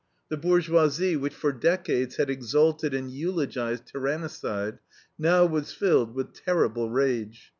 The bourgeoisie, which for decades had exalted and eulogized tyrannicide, now was filled with terrible rage.